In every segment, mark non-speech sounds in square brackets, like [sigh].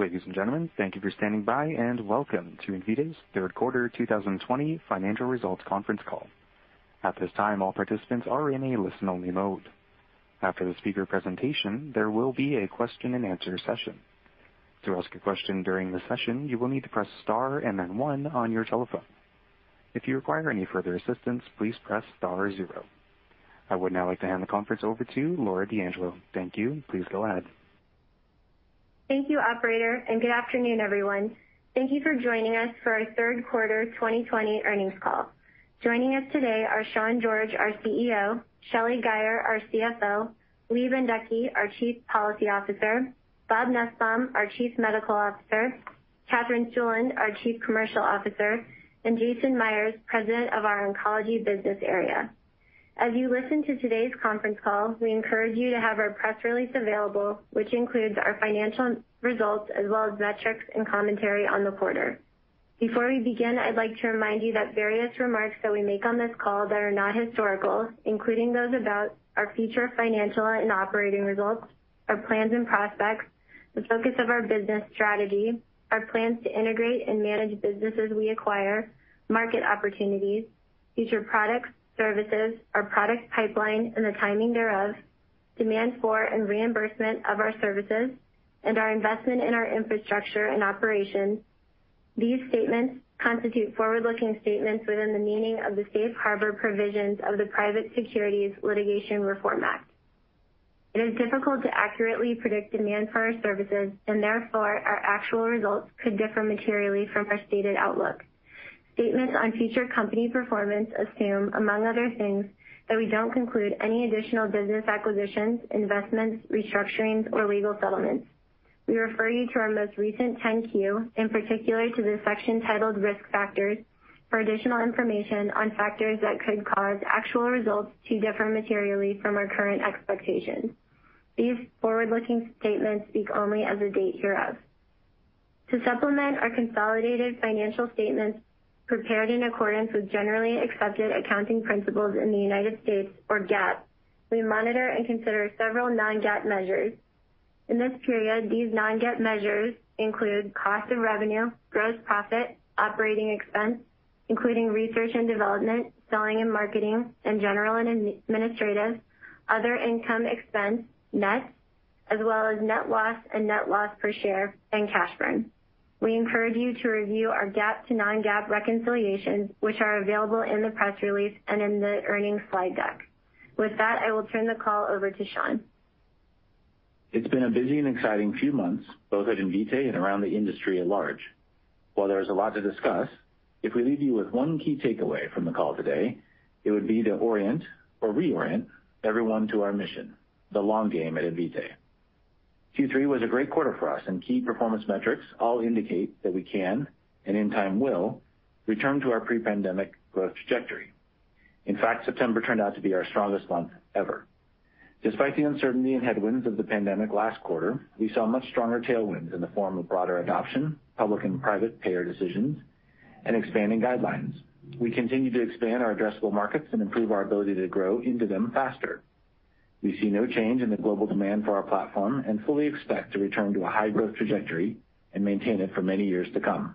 Ladies and gentlemen, thank you for standing by, and welcome to Invitae's third quarter 2020 financial results conference call. At this time, all participants are in a listen-only mode. After the speaker presentation, there will be a question-and-answer session. To ask a question during the session, you will need to press star and then one on your telephone. If you require any further assistance, please press star zero. I would now like to hand the conference over to Laura D'Angelo. Thank you. Please go ahead. Thank you, operator, and good afternoon, everyone. Thank you for joining us for our third quarter 2020 earnings call. Joining us today are Sean George, our CEO, Shelly Guyer, our CFO, Lee Bendekgey, our Chief Policy Officer, Bob Nussbaum, our Chief Medical Officer, Katherine Stueland, our Chief Commercial Officer, and Jason Myers, President of our Oncology business area. As you listen to today's conference call, we encourage you to have our press release available, which includes our financial results as well as metrics and commentary on the quarter. Before we begin, I'd like to remind you that various remarks that we make on this call that are not historical, including those about our future financial and operating results, our plans and prospects, the focus of our business strategy, our plans to integrate and manage businesses we acquire, market opportunities, future products, services, our product pipeline, and the timing thereof, demand for and reimbursement of our services, and our investment in our infrastructure and operations. These statements constitute forward-looking statements within the meaning of the Safe Harbor provisions of the Private Securities Litigation Reform Act. It is difficult to accurately predict demand for our services, and therefore, our actual results could differ materially from our stated outlook. Statements on future company performance assume, among other things, that we don't conclude any additional business acquisitions, investments, restructurings, or legal settlements. We refer you to our most recent 10-Q, in particular to the section titled Risk Factors for additional information on factors that could cause actual results to differ materially from our current expectations. These forward-looking statements speak only as of date hereof. To supplement our consolidated financial statements prepared in accordance with generally accepted accounting principles in the United States or GAAP, we monitor and consider several non-GAAP measures. In this period, these non-GAAP measures include cost of revenue, gross profit, operating expense, including research and development, selling and marketing, and general and administrative, other income expense net, as well as net loss and net loss per share, and cash burn. We encourage you to review our GAAP to non-GAAP reconciliations, which are available in the press release and in the earnings slide deck. With that, I will turn the call over to Sean. It's been a busy and exciting few months, both at Invitae and around the industry at large. While there is a lot to discuss, if we leave you with one key takeaway from the call today, it would be to orient or reorient everyone to our mission, the long game at Invitae. Q3 was a great quarter for us, and key performance metrics all indicate that we can, and in time will, return to our pre-pandemic growth trajectory. In fact, September turned out to be our strongest month ever. Despite the uncertainty and headwinds of the pandemic last quarter, we saw much stronger tailwinds in the form of broader adoption, public and private payer decisions, and expanding guidelines. We continue to expand our addressable markets and improve our ability to grow into them faster. We see no change in the global demand for our platform and fully expect to return to a high-growth trajectory and maintain it for many years to come.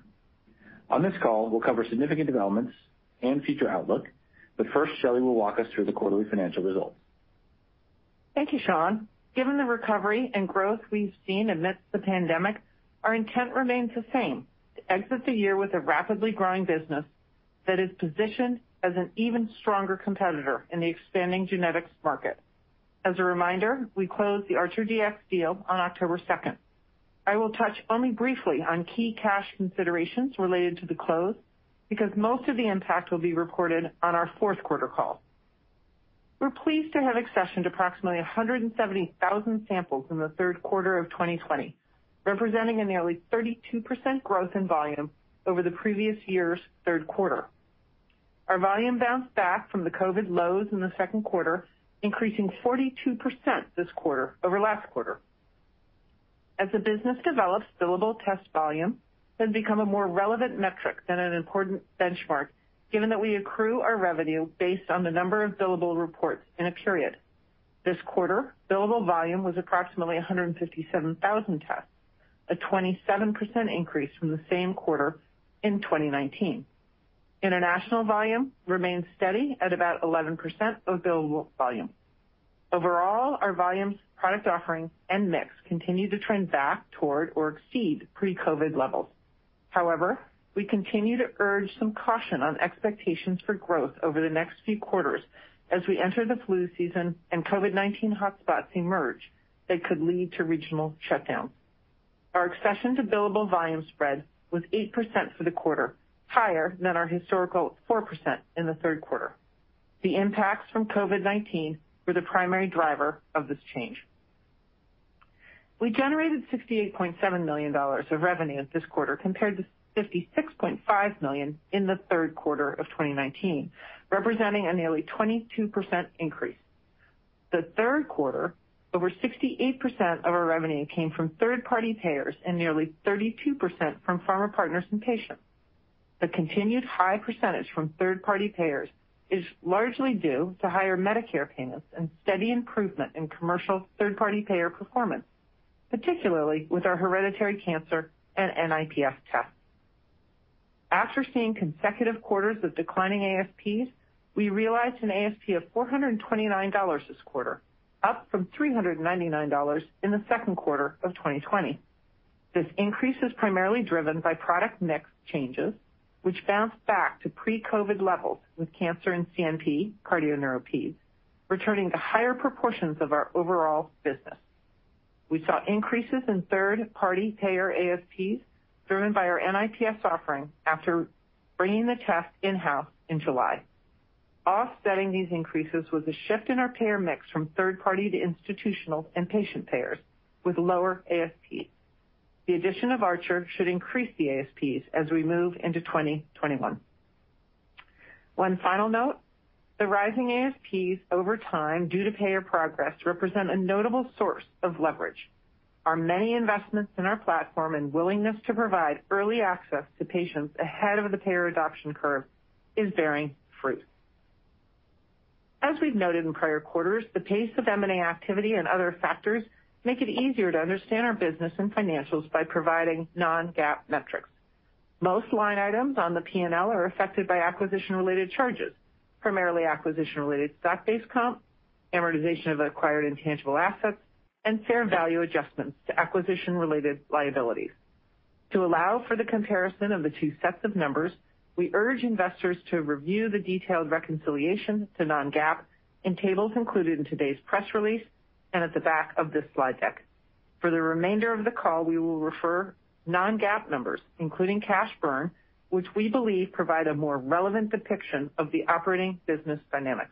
On this call, we'll cover significant developments and future outlook, but first, Shelly will walk us through the quarterly financial results. Thank you, Sean. Given the recovery and growth we've seen amidst the pandemic, our intent remains the same: to exit the year with a rapidly growing business that is positioned as an even stronger competitor in the expanding genetics market. As a reminder, we closed the ArcherDX deal on October 2nd. I will touch only briefly on key cash considerations related to the close because most of the impact will be recorded on our fourth quarter call. We're pleased to have accessioned approximately 170,000 samples in the third quarter of 2020, representing a nearly 32% growth in volume over the previous year's third quarter. Our volume bounced back from the COVID lows in the second quarter, increasing 42% this quarter over last quarter. As the business develops, billable test volume has become a more relevant metric than an important benchmark, given that we accrue our revenue based on the number of billable reports in a period. This quarter, billable volume was approximately 157,000 tests, a 27% increase from the same quarter in 2019. International volume remains steady at about 11% of billable volume. Overall, our volumes, product offerings, and mix continue to trend back toward or exceed pre-COVID-19 levels. We continue to urge some caution on expectations for growth over the next few quarters as we enter the flu season and COVID-19 hotspots emerge that could lead to regional shutdowns. Our accession to billable volume spread was 8% for the quarter, higher than our historical 4% in the third quarter. The impacts from COVID-19 were the primary driver of this change. We generated $68.7 million of revenue this quarter compared to $56.5 million in the third quarter of 2019, representing a nearly 22% increase. The third quarter, over 68% of our revenue came from third-party payers and nearly 32% from pharma partners and patients. The continued high percentage from third-party payers is largely due to higher Medicare payments and steady improvement in commercial third-party payer performance, particularly with our hereditary cancer and NIPS tests. After seeing consecutive quarters of declining ASPs, we realized an ASP of $429 this quarter, up from $399 in the second quarter of 2020. This increase is primarily driven by product mix changes, which bounced back to pre-COVID-19 levels with cancer and CNP, cardio neuro, peds, returning to higher proportions of our overall business. We saw increases in third-party payer ASPs driven by our NIPS offering after bringing the test in-house in July. Offsetting these increases was a shift in our payer mix from third party to institutional and patient payers with lower ASPs. The addition of Archer should increase the ASPs as we move into 2021. One final note, the rising ASPs over time due to payer progress represent a notable source of leverage. Our many investments in our platform and willingness to provide early access to patients ahead of the payer adoption curve is bearing fruit. As we've noted in prior quarters, the pace of M&A activity and other factors make it easier to understand our business and financials by providing non-GAAP metrics. Most line items on the P&L are affected by acquisition-related charges, primarily acquisition-related stock-based comp, amortization of acquired intangible assets, and fair value adjustments to acquisition-related liabilities. To allow for the comparison of the two sets of numbers, we urge investors to review the detailed reconciliation to non-GAAP in tables included in today's press release, and at the back of this slide deck. For the remainder of the call, we will refer non-GAAP numbers, including cash burn, which we believe provide a more relevant depiction of the operating business dynamics.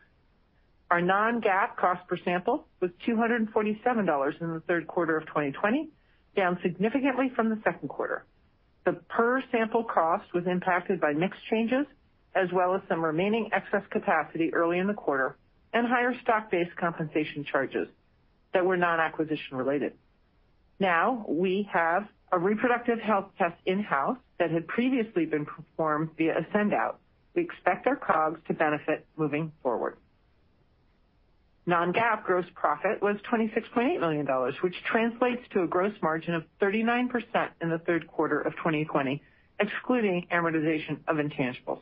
Our non-GAAP cost per sample was $247 in the third quarter of 2020, down significantly from the second quarter. The per sample cost was impacted by mix changes, as well as some remaining excess capacity early in the quarter and higher stock-based compensation charges that were non-acquisition related. Now, we have a reproductive health test in-house that had previously been performed via a send-out. We expect our COGS to benefit moving forward. Non-GAAP gross profit was $26.8 million, which translates to a gross margin of 39% in the third quarter of 2020, excluding amortization of intangibles.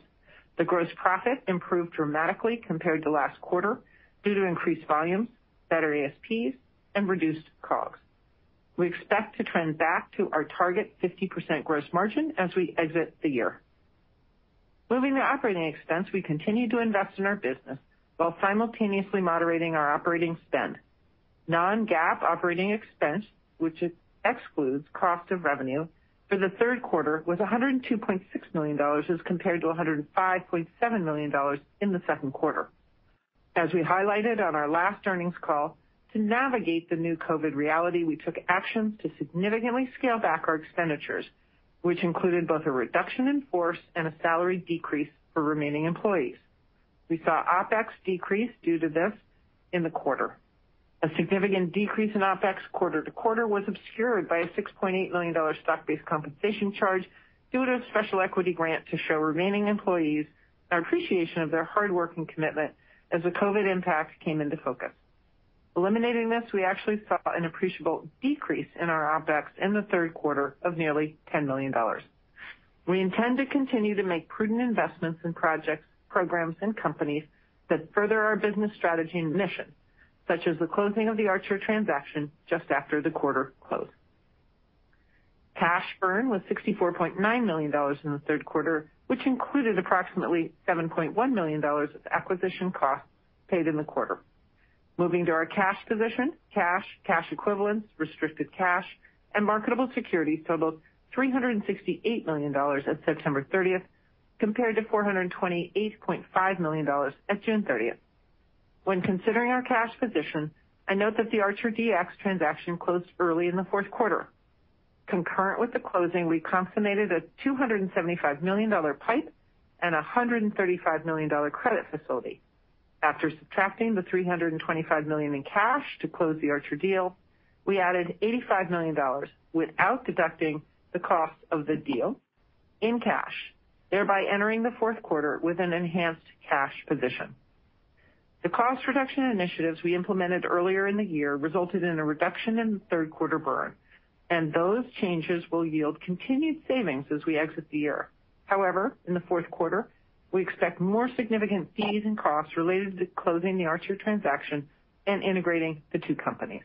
The gross profit improved dramatically compared to last quarter due to increased volumes, better ASPs, and reduced COGS. We expect to trend back to our target 50% gross margin as we exit the year. Moving to operating expense, we continue to invest in our business while simultaneously moderating our operating spend. Non-GAAP operating expense, which excludes cost of revenue for the third quarter, was $102.6 million as compared to $105.7 million in the second quarter. As we highlighted on our last earnings call, to navigate the new COVID reality, we took actions to significantly scale back our expenditures, which included both a reduction in force and a salary decrease for remaining employees. We saw OpEx decrease due to this in the quarter. A significant decrease in OpEx quarter to quarter was obscured by a $6.8 million stock-based compensation charge due to a special equity grant to show remaining employees our appreciation of their hard work and commitment as the COVID impact came into focus. Eliminating this, we actually saw an appreciable decrease in our OpEx in the third quarter of nearly $10 million. We intend to continue to make prudent investments in projects, programs, and companies that further our business strategy and mission, such as the closing of the Archer transaction just after the quarter close. Cash burn was $64.9 million in the third quarter, which included approximately $7.1 million of acquisition costs paid in the quarter. Moving to our cash position, cash equivalents, restricted cash, and marketable securities totaled $368 million at September 30th, compared to $428.5 million at June 30th. When considering our cash position, I note that the ArcherDX transaction closed early in the fourth quarter. Concurrent with the closing, we consummated a $275 million PIPE and $135 million credit facility. After subtracting the $325 million in cash to close the Archer deal, we added $85 million without deducting the cost of the deal in cash, thereby entering the fourth quarter with an enhanced cash position. The cost reduction initiatives we implemented earlier in the year resulted in a reduction in the third quarter burn, and those changes will yield continued savings as we exit the year. However, in the fourth quarter, we expect more significant fees and costs related to closing the Archer transaction and integrating the two companies.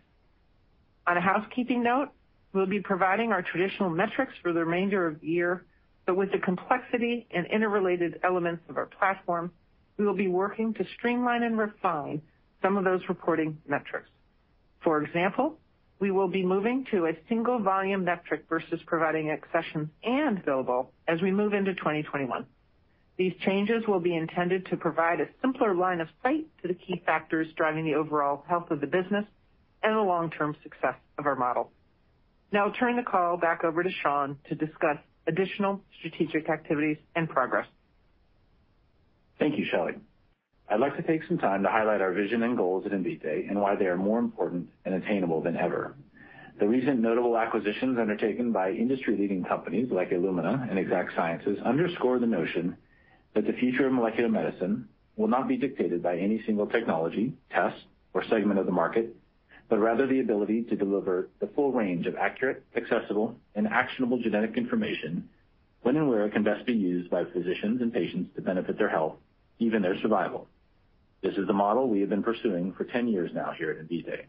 On a housekeeping note, we'll be providing our traditional metrics for the remainder of the year, but with the complexity and interrelated elements of our platform, we will be working to streamline and refine some of those reporting metrics. For example, we will be moving to a single volume metric versus providing accession and billable as we move into 2021. These changes will be intended to provide a simpler line of sight to the key factors driving the overall health of the business and the long-term success of our model. Now I'll turn the call back over to Sean to discuss additional strategic activities and progress. Thank you, Shelly. I'd like to take some time to highlight our vision and goals at Invitae and why they are more important and attainable than ever. The recent notable acquisitions undertaken by industry-leading companies like Illumina and Exact Sciences underscore the notion that the future of molecular medicine will not be dictated by any single technology, test, or segment of the market, but rather the ability to deliver the full range of accurate, accessible, and actionable genetic information when and where it can best be used by physicians and patients to benefit their health, even their survival. This is the model we have been pursuing for 10 years now here at Invitae.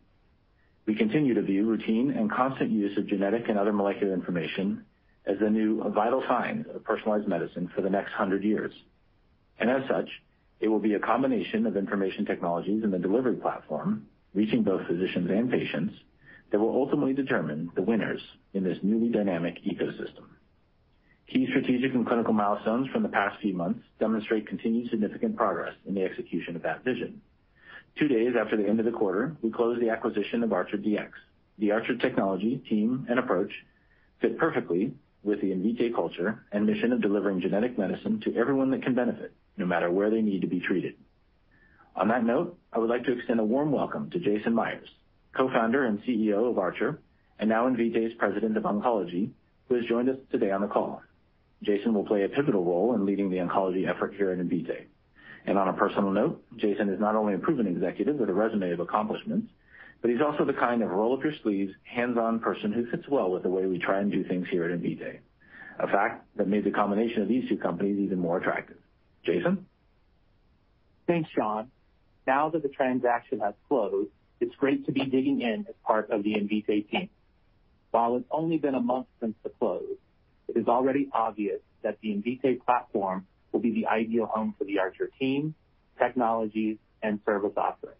We continue to view routine and constant use of genetic and other molecular information as the new vital sign of personalized medicine for the next 100 years. As such, it will be a combination of information technologies and the delivery platform, reaching both physicians and patients, that will ultimately determine the winners in this newly dynamic ecosystem. Key strategic and clinical milestones from the past few months demonstrate continued significant progress in the execution of that vision. Two days after the end of the quarter, we closed the acquisition of ArcherDX. The Archer technology, team, and approach fit perfectly with the Invitae culture and mission of delivering genetic medicine to everyone that can benefit, no matter where they need to be treated. On that note, I would like to extend a warm welcome to Jason Myers, co-founder and CEO of Archer and now Invitae's President of Oncology, who has joined us today on the call. Jason will play a pivotal role in leading the oncology effort here at Invitae. On a personal note, Jason is not only a proven executive with a resume of accomplishments, but he's also the kind of roll-up-your-sleeves, hands-on person who fits well with the way we try and do things here at Invitae, a fact that made the combination of these two companies even more attractive. Jason? Thanks, Sean. Now that the transaction has closed, it's great to be digging in as part of the Invitae team. While it's only been a month since the close, it is already obvious that the Invitae platform will be the ideal home for the Archer team, technologies, and service offerings.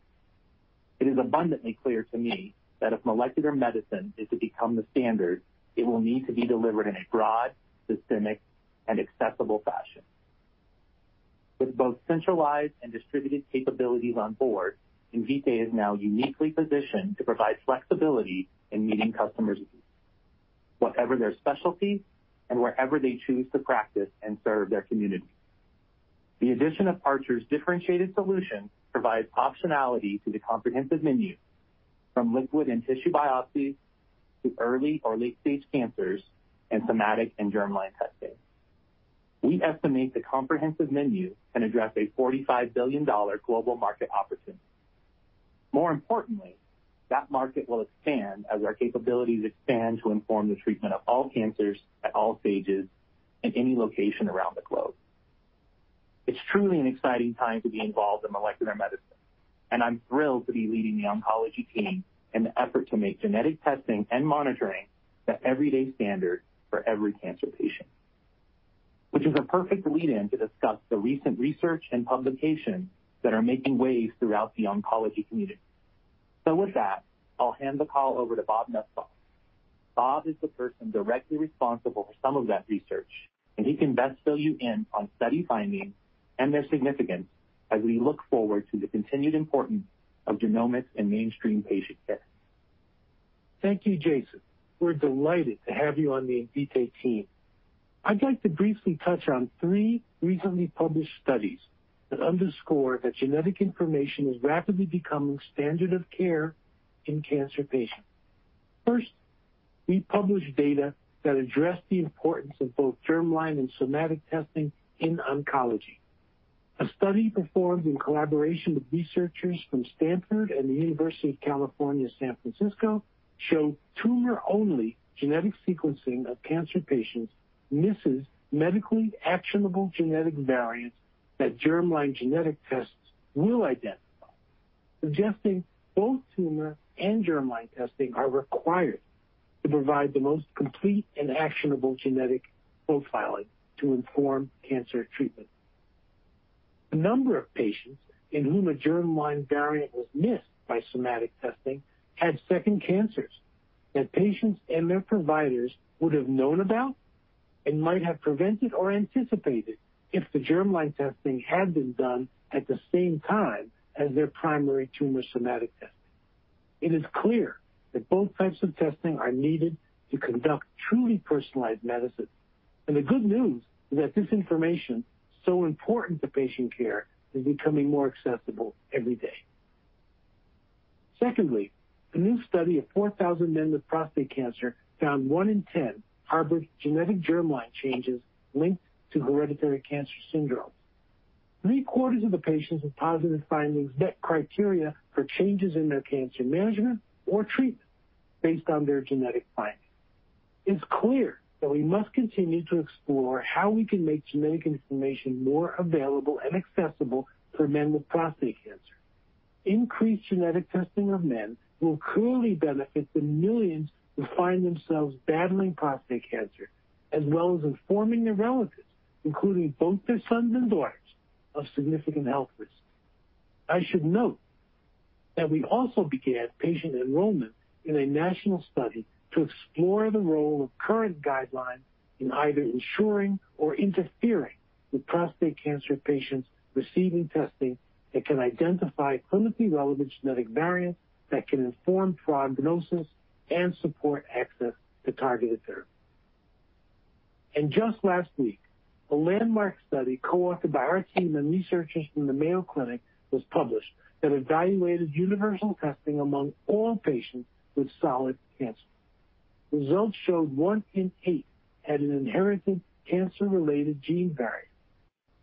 It is abundantly clear to me that if molecular medicine is to become the standard, it will need to be delivered in a broad, systemic, and accessible fashion. With both centralized and distributed capabilities on board, Invitae is now uniquely positioned to provide flexibility in meeting customers' needs, whatever their specialty and wherever they choose to practice and serve their community. The addition of Archer's differentiated solution provides optionality to the comprehensive menu, from liquid and tissue biopsies to early or late-stage cancers and somatic and germline testing. We estimate the comprehensive menu can address a $45 billion global market opportunity. More importantly, that market will expand as our capabilities expand to inform the treatment of all cancers at all stages in any location around the globe. It's truly an exciting time to be involved in molecular medicine, and I'm thrilled to be leading the oncology team in the effort to make genetic testing and monitoring the everyday standard for every cancer patient, which is a perfect lead-in to discuss the recent research and publications that are making waves throughout the oncology community. With that, I'll hand the call over to Bob Nussbaum. Bob is the person directly responsible for some of that research, and he can best fill you in on study findings and their significance as we look forward to the continued importance of genomics in mainstream patient care. Thank you, Jason. We're delighted to have you on the Invitae team. I'd like to briefly touch on three recently published studies that underscore that genetic information is rapidly becoming standard of care in cancer patients. First, we published data that addressed the importance of both germline and somatic testing in oncology. A study performed in collaboration with researchers from Stanford and the University of California, San Francisco, showed tumor-only genetic sequencing of cancer patients misses medically actionable genetic variants that germline genetic tests will identify, suggesting both tumor and germline testing are required to provide the most complete and actionable genetic profiling to inform cancer treatment. A number of patients in whom a germline variant was missed by somatic testing had second cancers that patients and their providers would have known about and might have prevented or anticipated if the germline testing had been done at the same time as their primary tumor somatic testing. It is clear that both types of testing are needed to conduct truly personalized medicine, and the good news is that this information, so important to patient care, is becoming more accessible every day. Secondly, a new study of 4,000 men with prostate cancer found 1 in 10 harbored genetic germline changes linked to hereditary cancer syndrome. Three-quarters of the patients with positive findings met criteria for changes in their cancer management or treatment based on their genetic findings. It's clear that we must continue to explore how we can make genetic information more available and accessible for men with prostate cancer. Increased genetic testing of men will clearly benefit the millions who find themselves battling prostate cancer, as well as informing their relatives, including both their sons and daughters, of significant health risks. I should note that we also began patient enrollment in a national study to explore the role of current guidelines in either ensuring or interfering with prostate cancer patients receiving testing that can identify clinically relevant genetic variants that can inform prognosis and support access to targeted therapy. Just last week, a landmark study co-authored by our team and researchers from the Mayo Clinic was published that evaluated universal testing among all patients with solid cancer. Results showed one in eight had an inherited cancer-related gene variant,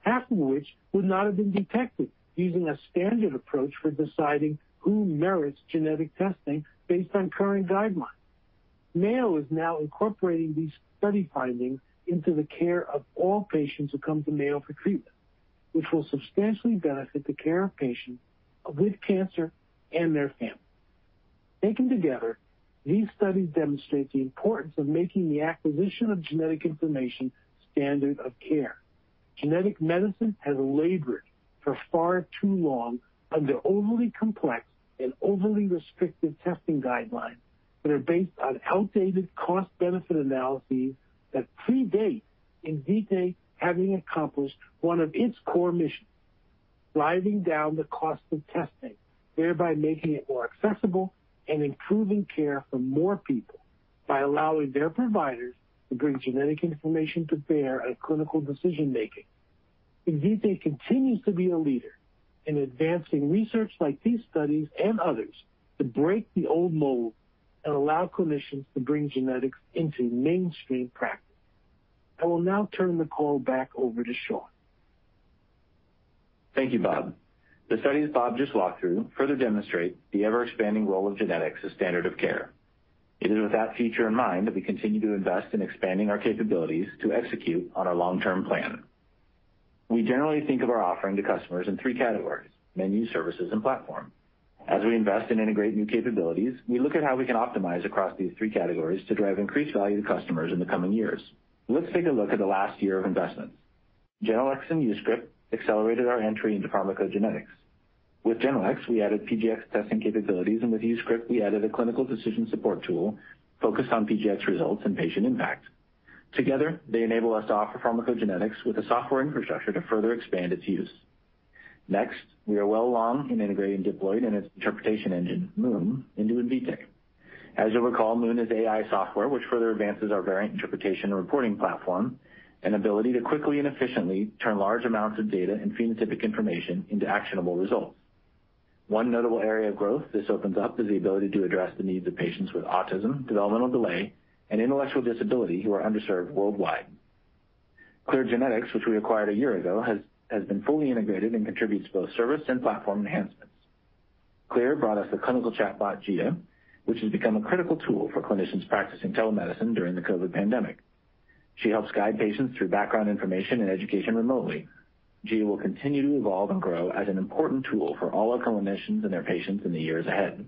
half of which would not have been detected using a standard approach for deciding who merits genetic testing based on current guidelines. Mayo is now incorporating these study findings into the care of all patients who come to Mayo for treatment, which will substantially benefit the care of patients with cancer and their families. Taken together, these studies demonstrate the importance of making the acquisition of genetic information standard of care. Genetic medicine has labored for far too long under overly complex and overly restrictive testing guidelines that are based on outdated cost-benefit analyses that predate Invitae having accomplished one of its core missions, driving down the cost of testing, thereby making it more accessible and improving care for more people by allowing their providers to bring genetic information to bear on clinical decision-making. Invitae continues to be a leader in advancing research like these studies and others to break the old mold and allow clinicians to bring genetics into mainstream practice. I will now turn the call back over to Sean. Thank you, Bob. The studies Bob just walked through further demonstrate the ever-expanding role of genetics as standard of care. It is with that future in mind that we continue to invest in expanding our capabilities to execute on our long-term plan. We generally think of our offering to customers in three categories: menu, services, and platform. As we invest and integrate new capabilities, we look at how we can optimize across these three categories to drive increased value to customers in the coming years. Let's take a look at the last year of investments. Genelex and YouScript accelerated our entry into pharmacogenetics. With Genelex, we added PGx testing capabilities, and with YouScript, we added a clinical decision support tool focused on PGx results and patient impact. Together, they enable us to offer pharmacogenetics with the software infrastructure to further expand its use. Next, we are well along in integrating Diploid and its interpretation engine, Moon, into Invitae. As you'll recall, Moon is AI software which further advances our variant interpretation and reporting platform and ability to quickly and efficiently turn large amounts of data and phenotypic information into actionable results. One notable area of growth this opens up is the ability to address the needs of patients with autism, developmental delay, and intellectual disability who are underserved worldwide. Clear Genetics, which we acquired a year ago, has been fully integrated and contributes to both service and platform enhancements. Clear brought us the clinical chatbot, Gia, which has become a critical tool for clinicians practicing telemedicine during the COVID pandemic. She helps guide patients through background information and education remotely. Gia will continue to evolve and grow as an important tool for all our clinicians and their patients in the years ahead.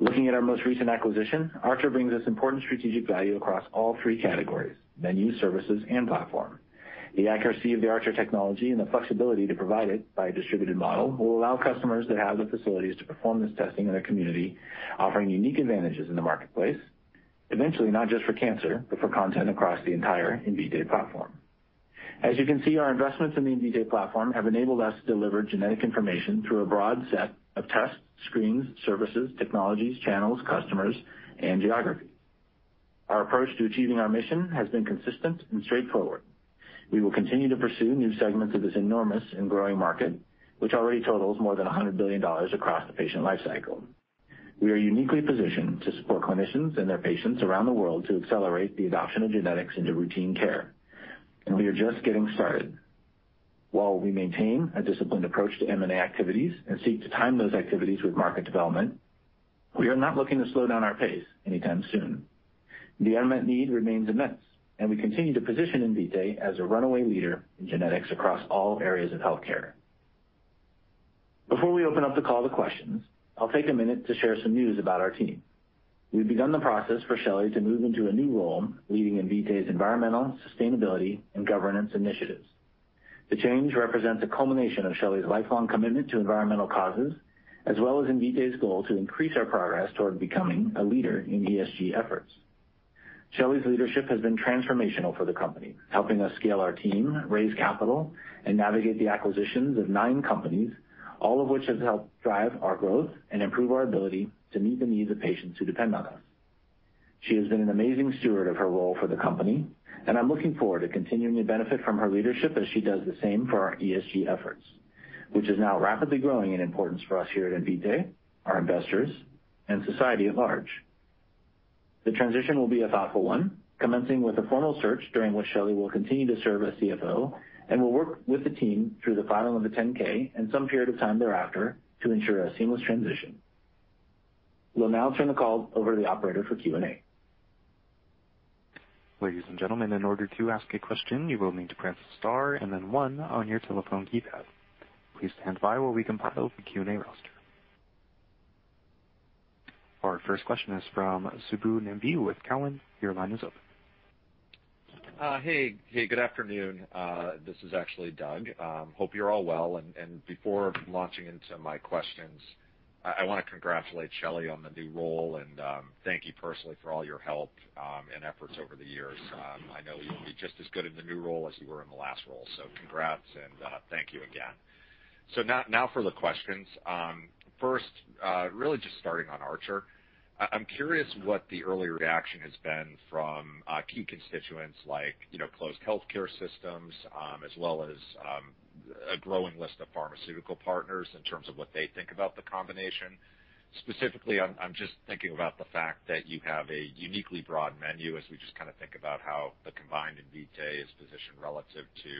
Looking at our most recent acquisition, Archer brings us important strategic value across all three categories, menu, services, and platform. The accuracy of the Archer technology and the flexibility to provide it by a distributed model will allow customers that have the facilities to perform this testing in their community, offering unique advantages in the marketplace, eventually not just for cancer, but for content across the entire Invitae platform. As you can see, our investments in the Invitae platform have enabled us to deliver genetic information through a broad set of tests, screens, services, technologies, channels, customers, and geographies. Our approach to achieving our mission has been consistent and straightforward. We will continue to pursue new segments of this enormous and growing market, which already totals more than $100 billion across the patient lifecycle. We are uniquely positioned to support clinicians and their patients around the world to accelerate the adoption of genetics into routine care, and we are just getting started. While we maintain a disciplined approach to M&A activities and seek to time those activities with market development, we are not looking to slow down our pace anytime soon. The unmet need remains immense, and we continue to position Invitae as a runaway leader in genetics across all areas of healthcare. Before we open up the call to questions, I'll take a minute to share some news about our team. We've begun the process for Shelly to move into a new role, leading Invitae's environmental, sustainability, and governance initiatives. The change represents a culmination of Shelly's lifelong commitment to environmental causes, as well as Invitae's goal to increase our progress toward becoming a leader in ESG efforts. Shelly's leadership has been transformational for the company, helping us scale our team, raise capital, and navigate the acquisitions of nine companies, all of which have helped drive our growth and improve our ability to meet the needs of patients who depend on us. She has been an amazing steward of her role for the company, and I'm looking forward to continuing to benefit from her leadership as she does the same for our ESG efforts, which is now rapidly growing in importance for us here at Invitae, our investors, and society at large. The transition will be a thoughtful one, commencing with a formal search during which Shelly will continue to serve as CFO and will work with the team through the filing of the 10-K and some period of time thereafter to ensure a seamless transition. We'll now turn the call over to the operator for Q&A. Ladies and gentlemen, in order to ask a question, you will need to press star and then one on your telephone keypad. Please stand by while we compile the Q&A roster. Our first question is from Subbu Nambi with Cowen. Your line is open. Hey. Good afternoon. This is actually Doug. Hope you're all well. Before launching into my questions, I want to congratulate Shelly on the new role and thank you personally for all your help and efforts over the years. I know you'll be just as good in the new role as you were in the last role. Congrats and thank you again. Now for the questions. First, really just starting on Archer. I'm curious what the early reaction has been from key constituents like closed healthcare systems, as well as a growing list of pharmaceutical partners in terms of what they think about the combination. Specifically, I'm just thinking about the fact that you have a uniquely broad menu as we just think about how the combined Invitae is positioned relative to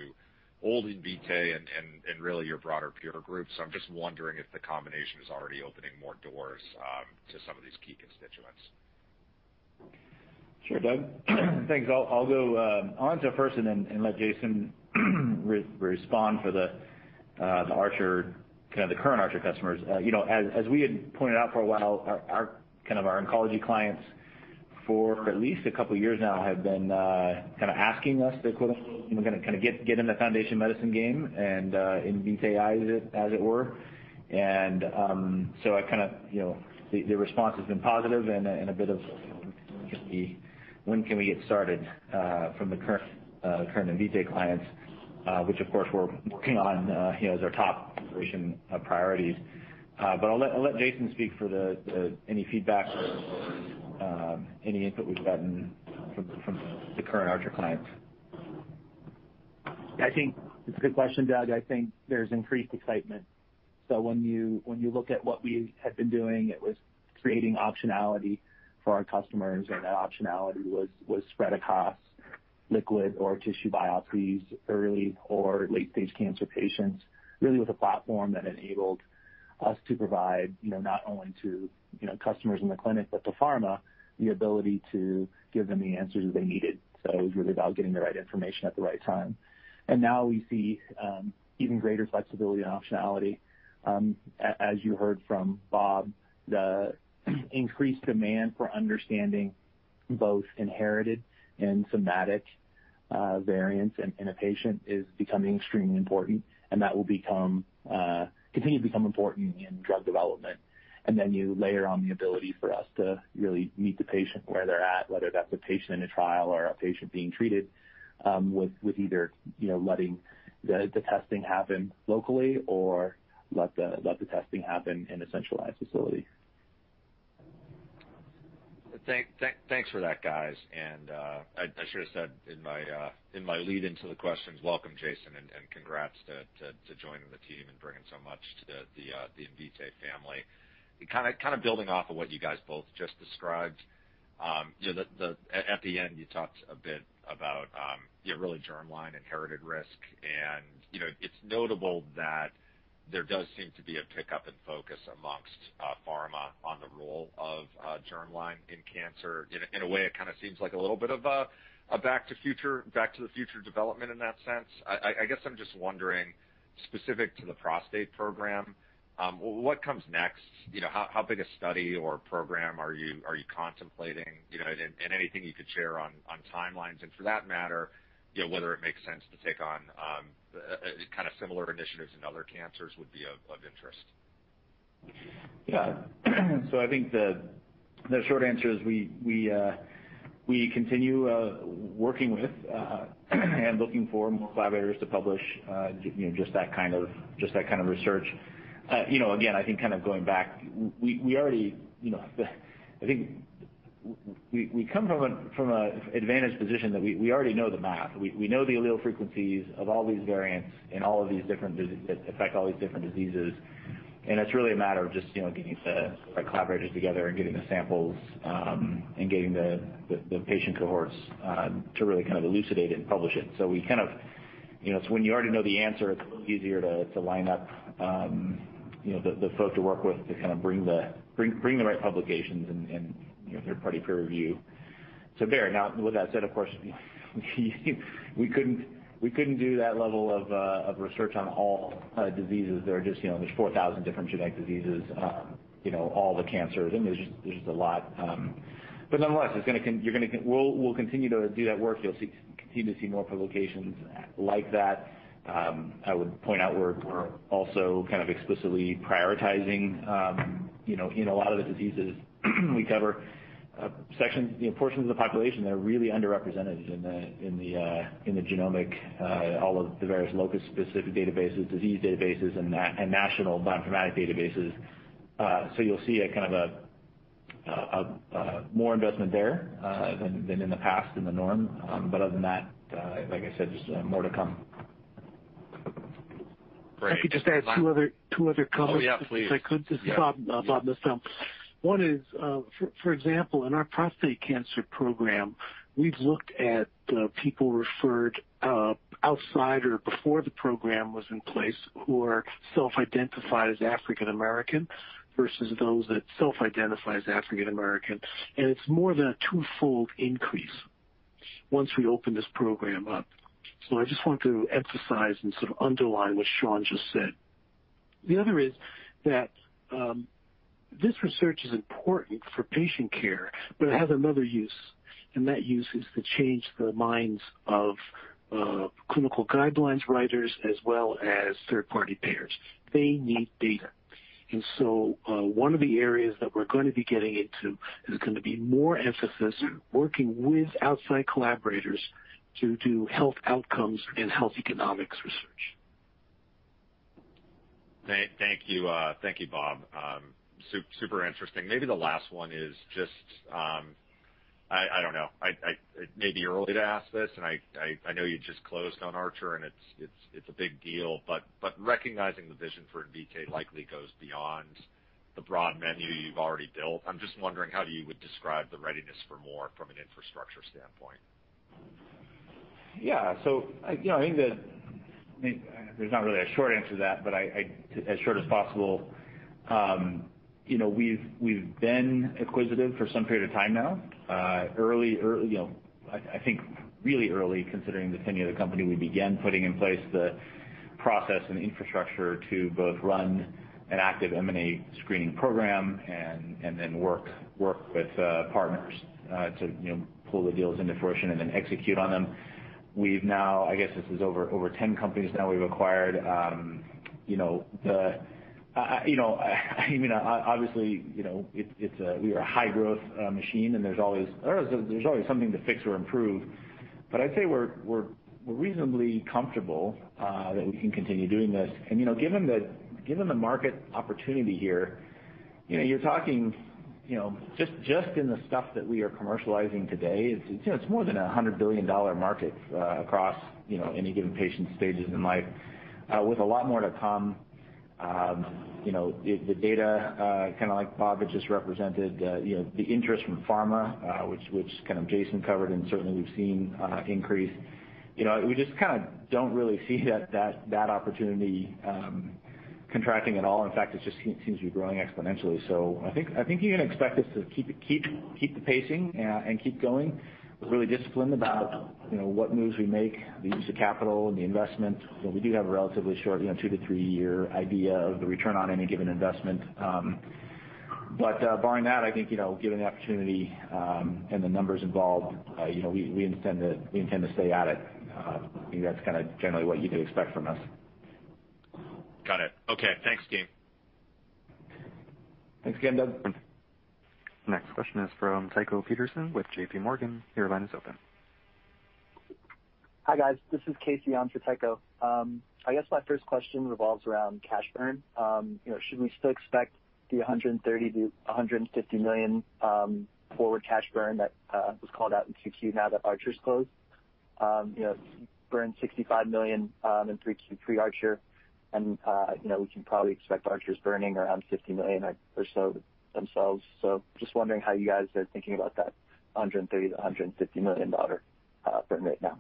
old Invitae and really your broader peer group. I'm just wondering if the combination is already opening more doors to some of these key constituents. Sure, Doug. Thanks. I'll go onto it first and let Jason respond for the current Archer customers. As we had pointed out for a while, our oncology clients for at least a couple of years now have been asking us to quote unquote, "Get in the Foundation Medicine game" and Invitae as it were. The response has been positive and a bit of, "When can we get started?" from the current Invitae clients, which of course we're working on as our top integration priorities. I'll let Jason speak for any feedback or any input we've gotten from the current Archer clients. I think it's a good question, Doug. I think there's increased excitement. When you look at what we had been doing, it was creating optionality for our customers, and that optionality was spread across liquid or tissue biopsies, early or late-stage cancer patients, really with a platform that enabled us to provide, not only to customers in the clinic, but to pharma, the ability to give them the answers that they needed. It was really about getting the right information at the right time. Now we see even greater flexibility and optionality. As you heard from Bob, the increased demand for understanding both inherited and somatic variants in a patient is becoming extremely important, and that will continue to become important in drug development. You layer on the ability for us to really meet the patient where they're at, whether that's a patient in a trial or a patient being treated, with either letting the testing happen locally or let the testing happen in a centralized facility. Thanks for that, guys. I should've said in my lead-in to the questions, welcome, Jason, and congrats on joining the team and bringing so much to the Invitae family. Kind of building off of what you guys both just described, at the end, you talked a bit about really germline inherited risk, and it's notable that there does seem to be a pickup in focus amongst pharma on the role of germline in cancer. In a way, it kind of seems like a little bit of a Back to the Future development in that sense. I guess I'm just wondering, specific to the prostate program, what comes next? How big a study or program are you contemplating? Anything you could share on timelines, and for that matter, whether it makes sense to take on similar initiatives in other cancers would be of interest. Yeah. I think the short answer is we continue working with and looking for more collaborators to publish just that kind of research. Again, I think going back, I think we come from an advantage position that we already know the math. We know the allele frequencies of all these variants that affect all these different diseases, and it's really a matter of just getting the right collaborators together and getting the samples, and getting the patient cohorts to really elucidate it and publish it. When you already know the answer, it's a little easier to line up the folk to work with to bring the right publications and third-party peer review. There. Now, with that said, of course, we couldn't do that level of research on all diseases. There's 4,000 different genetic diseases, all the cancers, and there's just a lot. Nonetheless, we'll continue to do that work. You'll continue to see more publications like that. I would point out we're also explicitly prioritizing in a lot of the diseases we cover, portions of the population that are really underrepresented in the genomic, all of the various locus-specific databases, disease databases, and national bioinformatics databases. You'll see more investment there than in the past, in the norm. Other than that, like I said, just more to come. Great. If I could just add two other comments. Oh, yeah, please. If I could, just to follow up on this. One is, for example, in our prostate cancer program, we've looked at people referred outside or before the program was in place who are self-identified as African American versus those that self-identify as African American, and it's more than a twofold increase once we open this program up. I just want to emphasize and sort of underline what Sean just said. This research is important for patient care, but it has another use, and that use is to change the minds of clinical guidelines writers as well as third-party payers. They need data. One of the areas that we're going to be getting into is going to be more emphasis working with outside collaborators to do health outcomes and health economics research. Thank you, Bob. Super interesting. Maybe the last one is I don't know. It may be early to ask this, and I know you just closed on Archer, and it's a big deal, but recognizing the vision for Invitae likely goes beyond the broad menu you've already built. I'm just wondering how you would describe the readiness for more from an infrastructure standpoint. Yeah. I think that there's not really a short answer to that, but as short as possible. We've been acquisitive for some period of time now. I think really early, considering the tenure of the company, we began putting in place the process and infrastructure to both run an active M&A screening program and then work with partners to pull the deals into fruition and then execute on them. We've now, I guess this is over 10 companies now we've acquired. Obviously, we are a high growth machine, and there's always something to fix or improve. I'd say we're reasonably comfortable that we can continue doing this. Given the market opportunity here, you're talking just in the stuff that we are commercializing today, it's more than a $100 billion market across any given patient stages in life with a lot more to come. The data, kind of like Bob had just represented, the interest from pharma, which Jason covered and certainly we've seen increase. We just don't really see that opportunity contracting at all. In fact, it just seems to be growing exponentially. I think you can expect us to keep the pacing and keep going with really discipline about what moves we make, the use of capital and the investment. We do have a relatively short 2-3-year idea of the return on any given investment. Barring that, I think, given the opportunity and the numbers involved, we intend to stay at it. I think that's generally what you can expect from us. Got it. Okay. Thanks, team. Thanks again, Doug. Next question is from Tycho Peterson with J.P. Morgan. Your line is open. Hi, guys. This is Casey on for Tycho. I guess my first question revolves around cash burn. Should we still expect the $130 million-$150 million forward cash burn that was called out in 2Q now that Archer's closed? Burned $65 million in 3Q pre-Archer, and we can probably expect Archer's burning around $50 million or so themselves. Just wondering how you guys are thinking about that $130 million-$150 million burn rate now.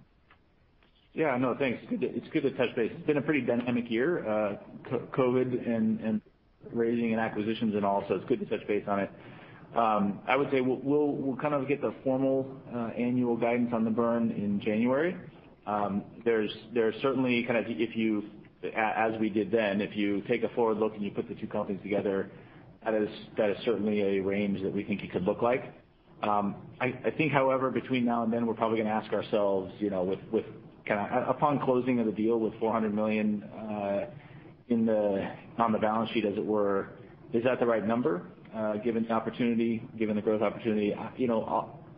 No, thanks. It's good to touch base. It's been a pretty dynamic year, COVID and raising and acquisitions and all. It's good to touch base on it. I would say we'll get the formal annual guidance on the burn in January. There's certainly, as we did then, if you take a forward look and you put the two companies together, that is certainly a range that we think it could look like. I think, however, between now and then, we're probably going to ask ourselves, upon closing of the deal with $400 million on the balance sheet, as it were, is that the right number given the growth opportunity?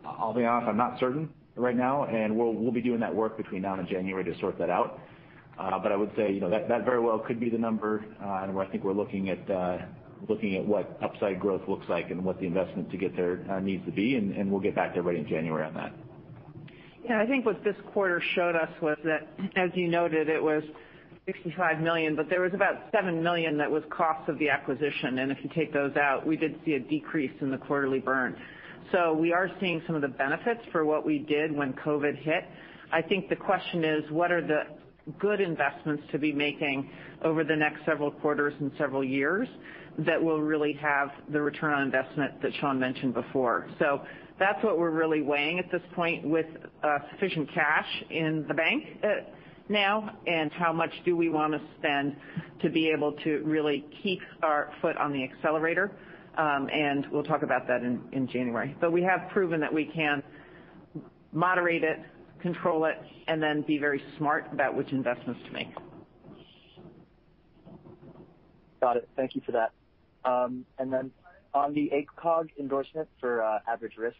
I'll be honest, I'm not certain right now. We'll be doing that work between now and January to sort that out. I would say that very well could be the number. I think we're looking at what upside growth looks like and what the investment to get there needs to be, and we'll get back to everybody in January on that. I think what this quarter showed us was that, as you noted, it was $65 million, but there was about $7 million that was cost of the acquisition. If you take those out, we did see a decrease in the quarterly burn. We are seeing some of the benefits for what we did when COVID-19 hit. I think the question is, what are the good investments to be making over the next several quarters and several years that will really have the return on investment that Sean mentioned before? That's what we're really weighing at this point with sufficient cash in the bank now and how much do we want to spend to be able to really keep our foot on the accelerator. We'll talk about that in January. We have proven that we can moderate it, control it, and then be very smart about which investments to make. Got it. Thank you for that. On the ACOG endorsement for average risk,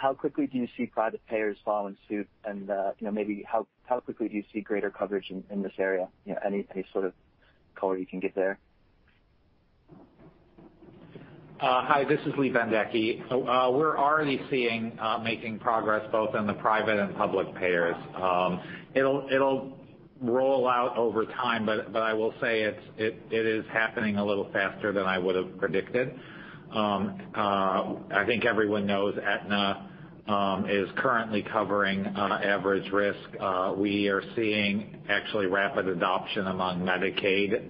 how quickly do you see private payers following suit? Maybe how quickly do you see greater coverage in this area? Any sort of color you can give there? Hi, this is Lee Bendekgey. We're already seeing making progress both on the private and public payers. It'll roll out over time, I will say it is happening a little faster than I would have predicted. I think everyone knows Aetna is currently covering average risk. We are seeing actually rapid adoption among Medicaid,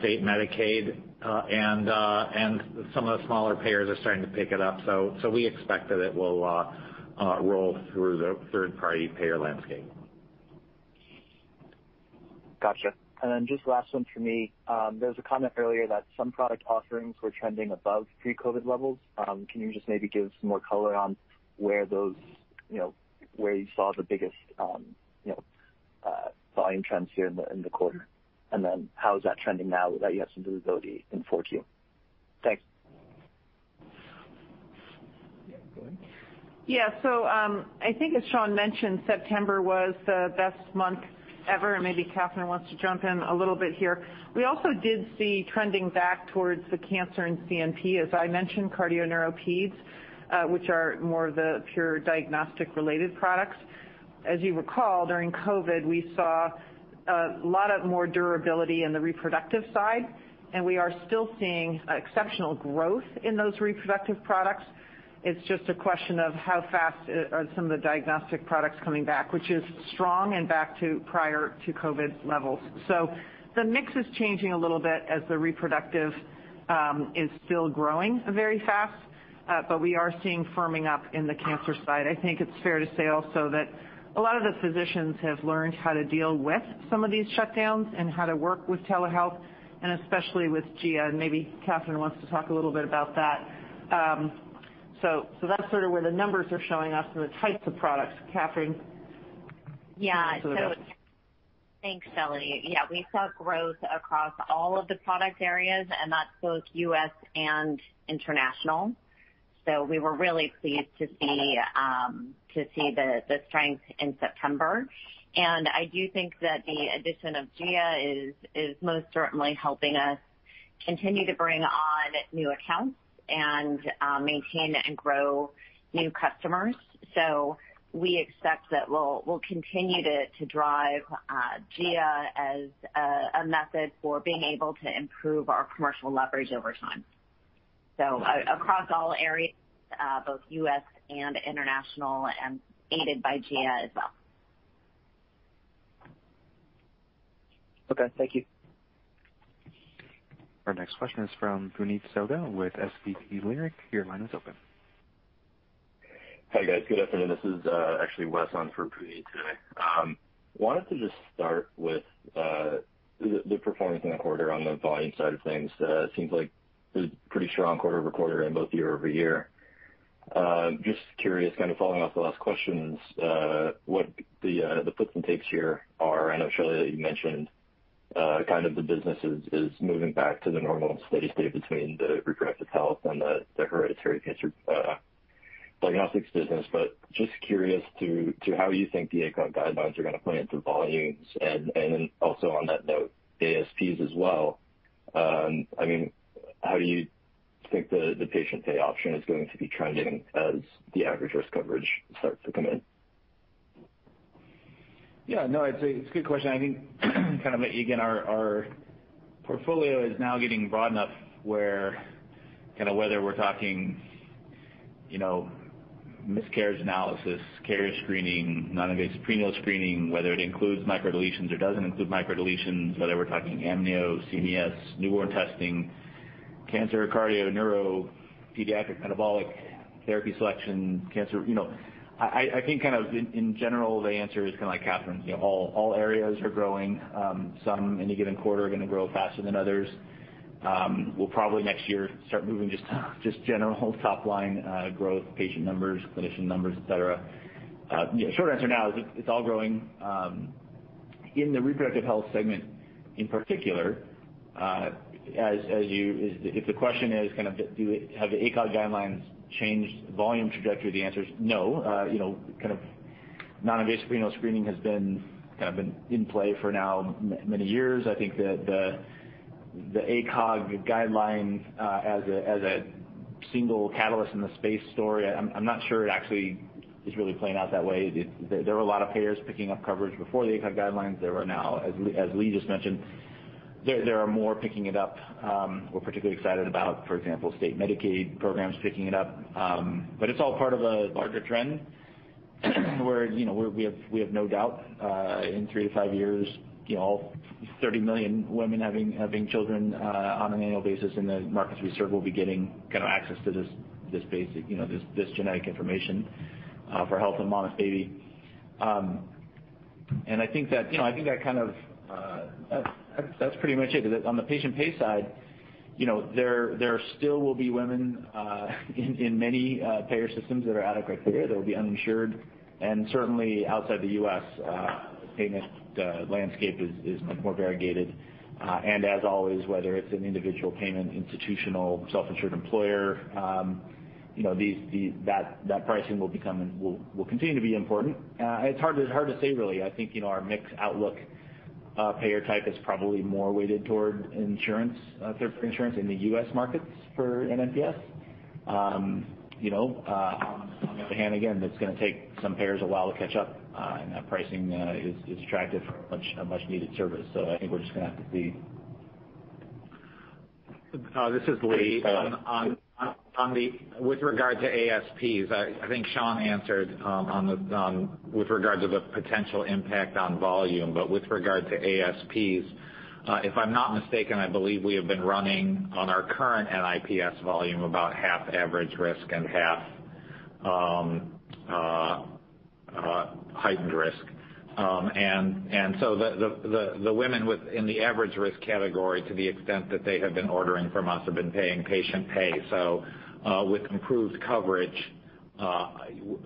state Medicaid, and some of the smaller payers are starting to pick it up. We expect that it will roll through the third-party payer landscape. Got you. Just last one for me. There was a comment earlier that some product offerings were trending above pre-COVID levels. Can you just maybe give some more color on where you saw the biggest volume trends here in the quarter, how is that trending now that you have some visibility in 4Q? Thanks. Yeah, go ahead. Yeah. I think as Sean mentioned, September was the best month ever, and maybe Katherine wants to jump in a little bit here. We also did see trending back towards the cancer and CNP, as I mentioned, cardio, neuro, peds, which are more of the pure diagnostic-related products. As you recall, during COVID, we saw a lot of more durability in the reproductive side, and we are still seeing exceptional growth in those reproductive products. It's just a question of how fast are some of the diagnostic products coming back, which is strong and back to prior-to-COVID levels. The mix is changing a little bit as the reproductive is still growing very fast. We are seeing firming up in the cancer side. I think it's fair to say also that a lot of the physicians have learned how to deal with some of these shutdowns and how to work with telehealth, and especially with Gia, and maybe Katherine wants to talk a little bit about that. That's sort of where the numbers are showing us and the types of products. Katherine. Yeah. You want to do it? Thanks, Shelly. Yeah, we saw growth across all of the product areas. That's both U.S. and international. We were really pleased to see the strength in September. I do think that the addition of Gia is most certainly helping us continue to bring on new accounts and maintain and grow new customers. We expect that we'll continue to drive Gia as a method for being able to improve our commercial leverage over time. Across all areas, both U.S. and international, and aided by Gia as well. Okay, thank you. Our next question is from Puneet Souda with SVB Leerink. Your line is open. Hi, guys. Good afternoon. This is actually Wes on for Puneet today. Wanted to just start with the performance in the quarter on the volume side of things. It seems like it was a pretty strong quarter-over-quarter and both year-over-year. Just curious, kind of following off the last questions, what the puts and takes here are. I know, Shelly, that you mentioned kind of the business is moving back to the normal steady state between the reproductive health and the hereditary cancer diagnostics business. Just curious to how you think the ACOG guidelines are going to play into volumes and then also on that note, ASPs as well. How do you think the patient pay option is going to be trending as the average risk coverage starts to come in? No, it's a good question. I think kind of again, our portfolio is now getting broad enough where whether we're talking miscarriage analysis, carrier screening, non-invasive prenatal screening, whether it includes microdeletions or doesn't include microdeletions, whether we're talking amnio, CVS, newborn testing, cancer, cardio, neuro, pediatric, metabolic therapy selection, cancer. I think kind of in general, the answer is kind of like Katherine's. All areas are growing. Some, in a given quarter, are going to grow faster than others. We'll probably next year start moving just general top-line growth, patient numbers, clinician numbers, et cetera. The short answer now is it's all growing. In the reproductive health segment in particular, if the question is kind of do have the ACOG guidelines changed volume trajectory, the answer is no. Non-invasive prenatal screening has been in play for now many years. I think that the ACOG guideline, as a single catalyst in the space story, I'm not sure it actually is really playing out that way. There were a lot of payers picking up coverage before the ACOG guidelines. There are now, as Lee just mentioned, there are more picking it up. We're particularly excited about, for example, state Medicaid programs picking it up. It's all part of a larger trend where we have no doubt, in three to five years, 30 million women having children on an annual basis in the markets we serve will be getting kind of access to this basic genetic information for health of mom and baby. I think that's pretty much it, because on the patient pay side, there still will be women in many payer systems that are out of criteria, they'll be uninsured, and certainly outside the U.S., payment landscape is much more variegated. As always, whether it's an individual payment, institutional, self-insured employer, that pricing will continue to be important. It's hard to say, really. I think our mix outlook payer type is probably more weighted toward insurance, third-party insurance in the U.S. markets for NIPS. On the other hand, again, it's going to take some payers a while to catch up, and that pricing is attractive for a much needed service, so I think we're just going to have to see. This is Lee. With regard to ASPs, I think Sean answered with regard to the potential impact on volume. With regard to ASPs, if I'm not mistaken, I believe we have been running on our current NIPS volume about half average risk and half heightened risk. The women within the average risk category, to the extent that they have been ordering from us, have been paying patient pay. With improved coverage,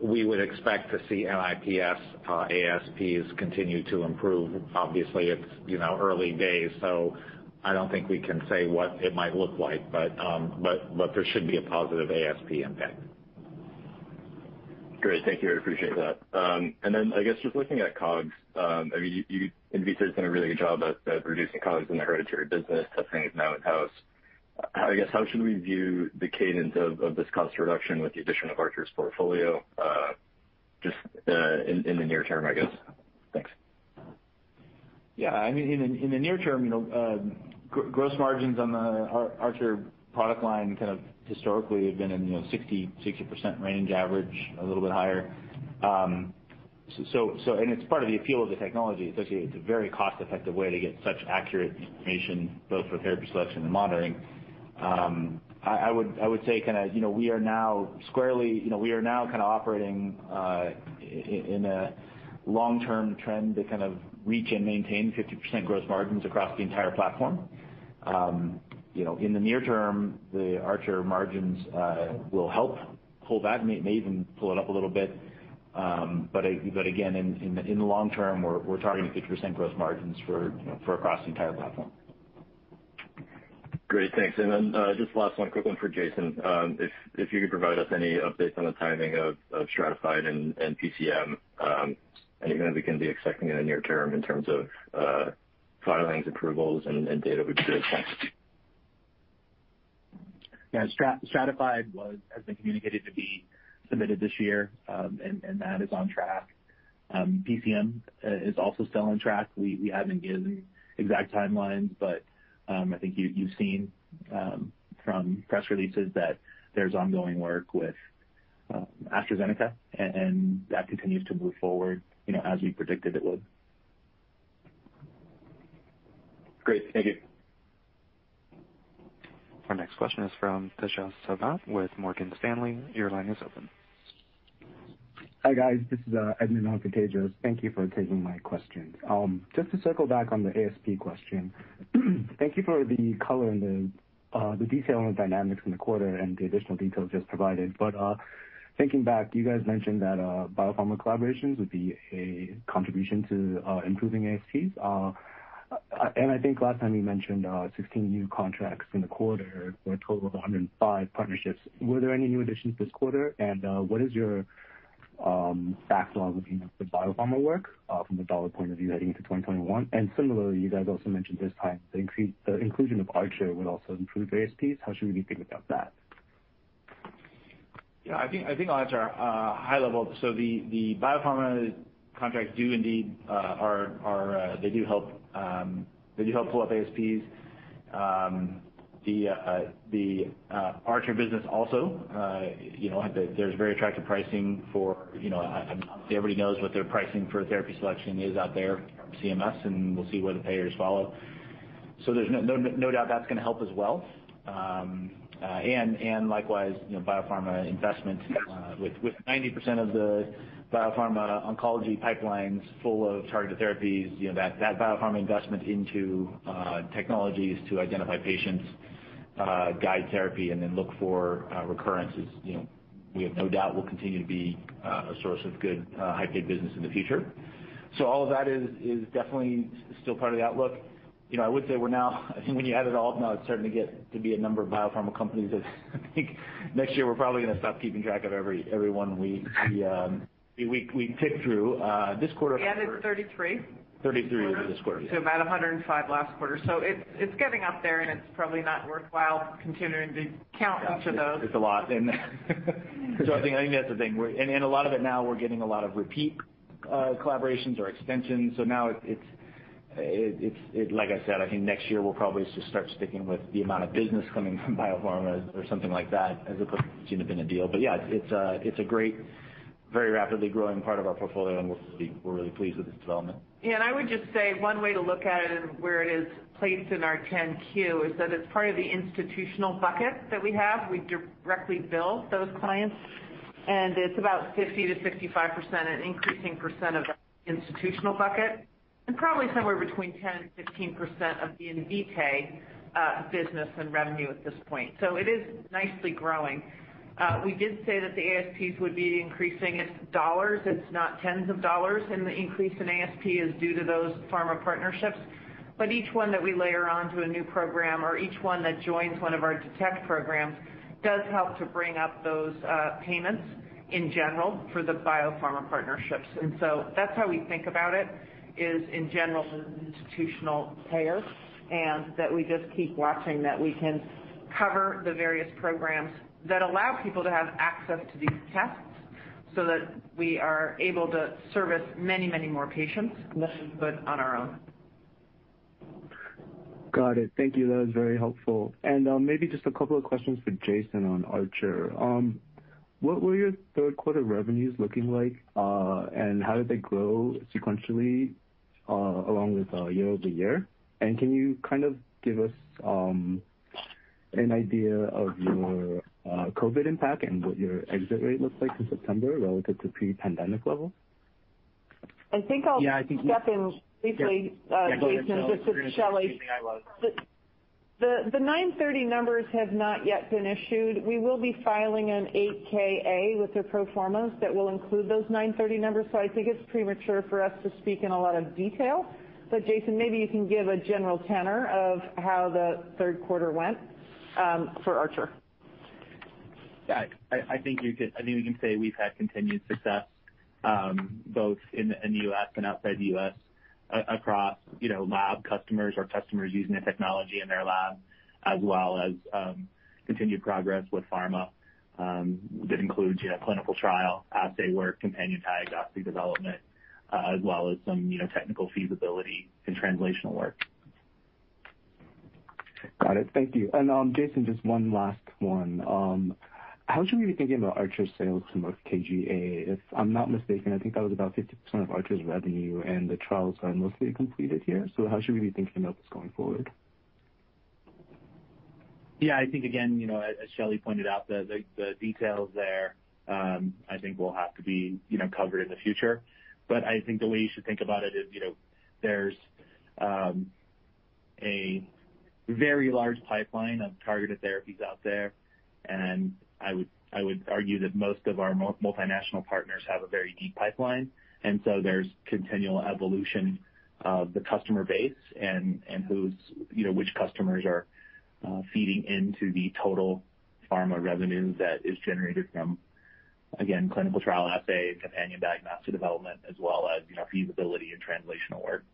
we would expect to see NIPS ASPs continue to improve. Obviously, it's early days, so I don't think we can say what it might look like, but there should be a positive ASP impact. Great. Thank you. I appreciate that. I guess, just looking at COGS, Invitae's done a really good job at reducing COGS in the hereditary business, testing is now in-house. How should we view the cadence of this cost reduction with the addition of Archer's portfolio, just in the near term, I guess? Thanks. Yeah. In the near term, gross margins on the Archer product line historically have been in 60% range average, a little bit higher. It's part of the appeal of the technology. It's actually a very cost-effective way to get such accurate information, both for therapy selection and monitoring. I would say we are now squarely operating in a long-term trend to reach and maintain 50% gross margins across the entire platform. In the near term, the Archer margins will help pull that, may even pull it up a little bit. Again, in the long term, we're targeting 50% gross margins for across the entire platform. Great. Thanks. Just last one, quick one for Jason. If you could provide us any updates on the timing of Stratafide and PCM, and when we can be expecting in the near term in terms of filings, approvals and data we should expect. Stratafide has been communicated to be submitted this year, and that is on track. PCM is also still on track. We haven't given exact timelines, I think you've seen from press releases that there's ongoing work with AstraZeneca, and that continues to move forward as we predicted it would. Great. Thank you. Our next question is from Tejas Savant with Morgan Stanley. Your line is open. Hi, guys. This is Edmund on for Tejas. Thank you for taking my question. Just to circle back on the ASP question. Thank you for the color and the detail on the dynamics in the quarter and the additional details just provided. Thinking back, you guys mentioned that biopharma collaborations would be a contribution to improving ASPs. I think last time you mentioned 16 new contracts in the quarter for a total of 105 partnerships. Were there any new additions this quarter? What is your backlog looking like for biopharma work from a dollar point of view heading into 2021? Similarly, you guys also mentioned this time, the inclusion of Archer would also improve ASPs. How should we be thinking about that? I think I'll answer high level. The biopharma contracts do indeed help pull up ASPs. The Archer also, there's very attractive pricing for everybody knows what their pricing for therapy selection is out there from CMS, and we'll see where the payers follow. There's no doubt that's going to help as well. Likewise, biopharma investment with 90% of the biopharma oncology pipeline is full of targeted therapies, that biopharma investment into technologies to identify patients, guide therapy, and then look for recurrences, we have no doubt will continue to be a source of good high-paid business in the future. All of that is definitely still part of the outlook. I would say we're now, I think when you add it all up now, it's starting to get to be a number of biopharma companies that I think next year we're probably going to stop keeping track of every one we tick through. We added 33. 33 this quarter. About 105 last quarter. It's getting up there and it's probably not worthwhile continuing to count each of those. It's a lot. I think that's the thing. A lot of it now, we're getting a lot of repeat collaborations or extensions. Now, like I said, I think next year we'll probably just start sticking with the amount of business coming from biopharma or something like that, as opposed to each individual deal. Yeah, it's a great, very rapidly growing part of our portfolio, and we're really pleased with its development. Yeah, I would just say one way to look at it and where it is placed in our 10-Q, is that it's part of the institutional bucket that we have. We directly bill those clients, it's about 50%-65%, an increasing percent of the institutional bucket, and probably somewhere between 10%-15% of the Invitae business and revenue at this point. It is nicely growing. We did say that the ASPs would be increasing. It's dollars. It's not tens of dollars, the increase in ASP is due to those pharma partnerships, each one that we layer on to a new program, or each one that joins one of our Detect programs, does help to bring up those payments in general for the biopharma partnerships. That's how we think about it, is in general, as an institutional payer, and that we just keep watching that we can cover the various programs that allow people to have access to these tests so that we are able to service many, many more patients, but on our own. Got it. Thank you. That was very helpful. Maybe just a couple of questions for Jason on Archer. What were your third quarter revenues looking like? How did they grow sequentially, along with year-over-year? Can you kind of give us an idea of your COVID-19 impact and what your exit rate looks like in September relative to pre-pandemic level? I think I'll step in briefly, Jason. This is Shelly. The 930 numbers have not yet been issued. We will be filing an 8-K/A with the pro formas that will include those 930 numbers, so I think it's premature for us to speak in a lot of detail. Jason, maybe you can give a general tenor of how the third quarter went, for Archer. Yeah, I think we can say we've had continued success, both in the U.S. and outside the U.S., across lab customers or customers using the technology in their labs, as well as continued progress with pharma. That includes clinical trial, assay work, companion diagnostic development, as well as some technical feasibility and translational work. Got it. Thank you. Jason, just one last one. How should we be thinking about Archer's sales to Merck KGaA? If I'm not mistaken, I think that was about 50% of Archer's revenue and the trials are mostly completed here, so how should we be thinking about this going forward? Yeah, I think, again, as Shelly pointed out, the details there, I think will have to be covered in the future. I think the way you should think about it is, there's a very large pipeline of targeted therapies out there, and I would argue that most of our multinational partners have a very deep pipeline. There's continual evolution of the customer base and which customers are feeding into the total pharma revenue that is generated from, again, clinical trial assay, companion diagnostic development, as well as feasibility and translational work.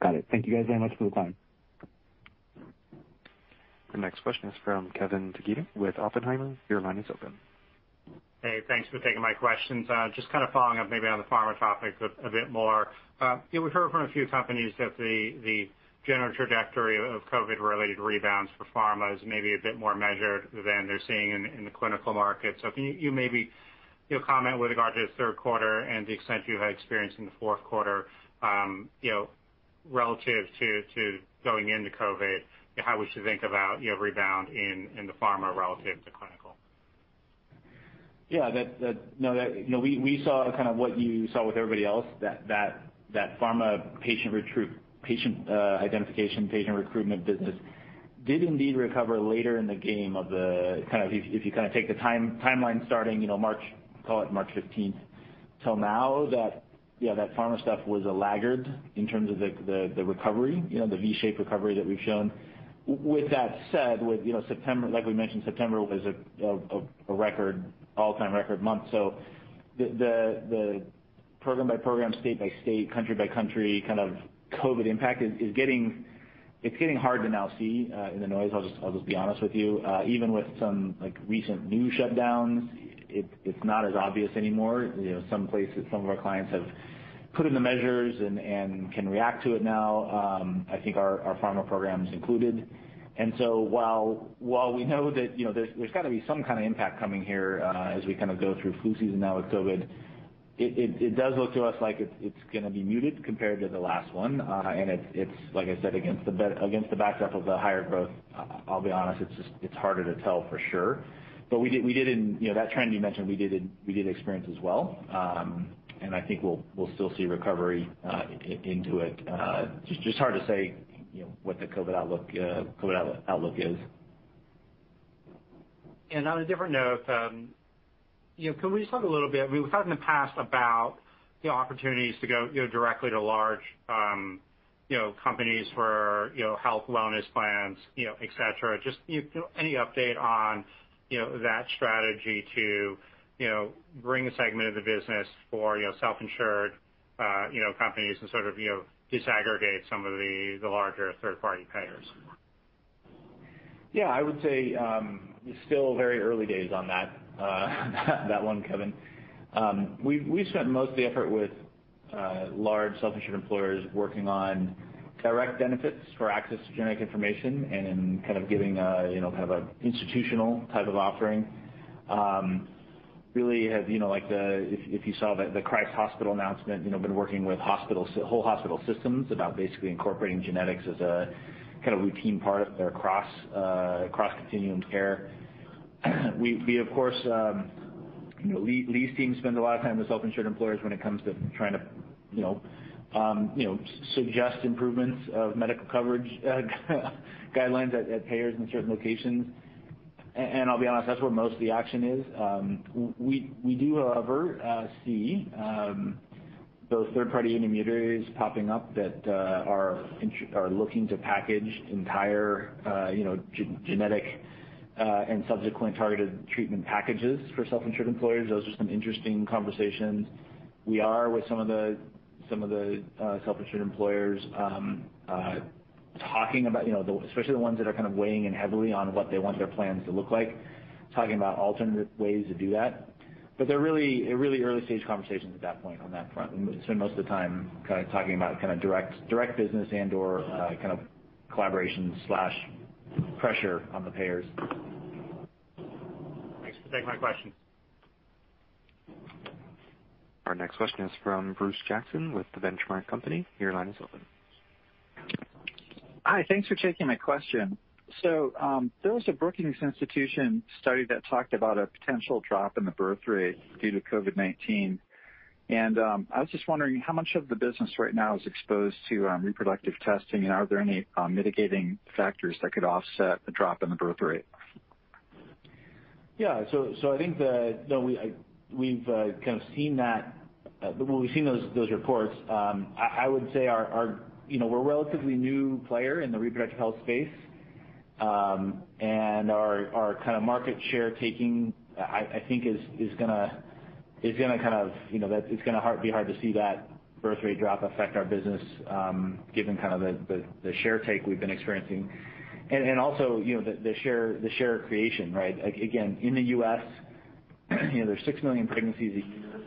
Got it. Thank you guys very much for the time. The next question is from Kevin DeGeeter with Oppenheimer. Your line is open. Hey, thanks for taking my questions. Just following up maybe on the pharma topic a bit more. We've heard from a few companies that the general trajectory of COVID-related rebounds for pharma is maybe a bit more measured than they're seeing in the clinical market. Can you maybe comment with regard to the third quarter and the extent you've had experience in the fourth quarter, relative to going into COVID, how we should think about rebound in the pharma relative to clinical? Yeah. We saw what you saw with everybody else, that pharma patient identification, patient recruitment business did indeed recover later in the game of, if you take the timeline starting March, call it March 15th, till now, that pharma stuff was a laggard in terms of the recovery, the V-shaped recovery that we've shown. With that said, like we mentioned, September was an all-time record month. The program-by-program, state-by-state, country-by-country COVID impact, it's getting hard to now see in the noise, I'll just be honest with you. Even with some recent new shutdowns, it's not as obvious anymore. Some of our clients have put in the measures and can react to it now, I think our pharma programs included. While we know that there's got to be some kind of impact coming here as we go through flu season now with COVID, it does look to us like it's going to be muted compared to the last one. It's, like I said, against the backdrop of the higher growth, I'll be honest, it's harder to tell for sure. That trend you mentioned, we did experience as well. I think we'll still see recovery into it. Just hard to say what the COVID outlook is. On a different note, can we just talk a little bit, we've talked in the past about the opportunities to go directly to large companies for health wellness plans, et cetera. Just any update on that strategy to bring a segment of the business for self-insured companies and disaggregate some of the larger third-party payers? Yeah, I would say, it's still very early days on that one, Kevin. We've spent most of the effort with large self-insured employers working on direct benefits for access to genetic information and giving a kind of institutional type of offering. Really, if you saw the Craig Hospital announcement, been working with whole hospital systems about basically incorporating genetics as a routine part of their cross-continuum care. We of course, Lee's team spend a lot of time with self-insured employers when it comes to trying to suggest improvements of medical coverage guidelines at payers in certain locations. I'll be honest, that's where most of the action is. We do, however, see those third-party intermediaries popping up that are looking to package entire genetic, and subsequently, targeted treatment packages for self-insured employers. Those are some interesting conversations. We are, with some of the self-insured employers, talking about, especially the ones that are weighing in heavily on what they want their plans to look like, talking about alternative ways to do that. They're really early-stage conversations at that point on that front. We spend most of the time talking about direct business and/or collaboration/pressure on the payers. Thanks for taking my questions. Our next question is from Bruce Jackson with The Benchmark Company. Your line is open. Hi. Thanks for taking my question. There was a Brookings Institution study that talked about a potential drop in the birth rate due to COVID-19, and I was just wondering how much of the business right now is exposed to reproductive testing, and are there any mitigating factors that could offset the drop in the birth rate? Yeah. I think that we've seen those reports. I would say we're a relatively new player in the reproductive health space. Our market share taking, I think, it's going to be hard to see that birth rate drop affect our business, given the share take we've been experiencing and also the share creation, right? Again, in the U.S., there's 6 million pregnancies a year.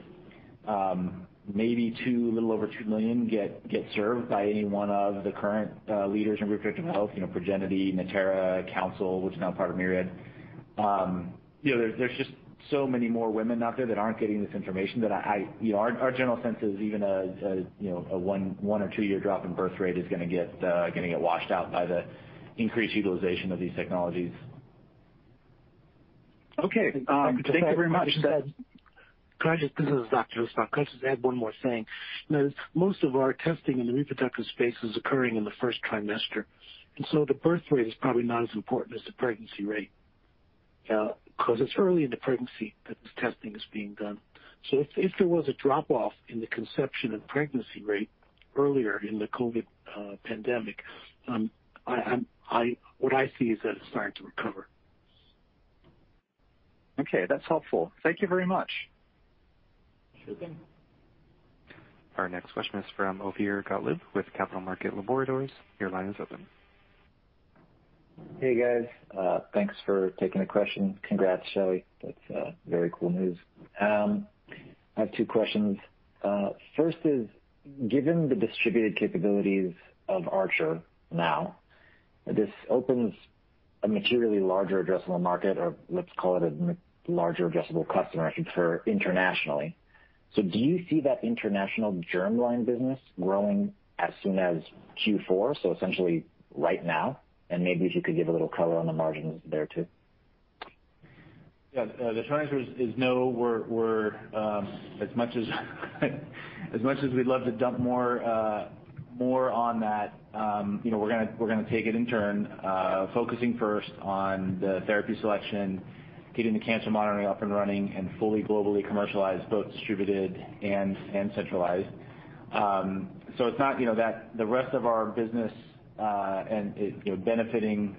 Maybe a little over 2 million get served by any one of the current leaders in reproductive health, Progenity, Natera, Counsyl, which is now part of Myriad. There's just so many more women out there that aren't getting this information that our general sense is even a one or two-year drop in birth rate is going to get washed out by the increased utilization of these technologies. Okay. Thank you very much. [inaudible] I just have one more thing. Most of our testing in the reproductive space is occurring in the first trimester, the birth rate is probably not as important as the pregnancy rate, because it's early in the pregnancy that this testing is being done. If there was a drop-off in the conception and pregnancy rate earlier in the COVID pandemic, what I see is that it's starting to recover. Okay. That's helpful. Thank you very much. Thank you. Our next question is from Ophir Gottlieb with Capital Market Laboratories. Your line is open. Hey, guys. Thanks for taking the question. Congrats, Shelly. That's very cool news. I have two questions. First is, given the distributed capabilities of Archer now, this opens a materially larger addressable market, or let's call it a larger addressable customer, I should say, internationally. Do you see that international germline business growing as soon as Q4, essentially right now? Maybe if you could give a little color on the margins there, too. The short answer is no. As much as we'd love to dump more on that, we're going to take it in turn, focusing first on the therapy selection, getting the cancer monitoring up and running and fully globally commercialized, both distributed and centralized. The rest of our business, and benefiting